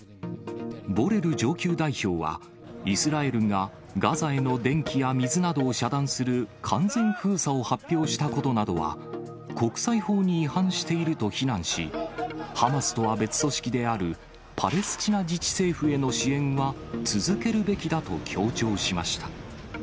ボレル上級代表は、イスラエルがガザへの電気や水などを遮断する完全封鎖を発表したことなどは、国際法に違反していると非難し、ハマスとは別組織であるパレスチナ自治政府への支援は続けるべきだと強調しました。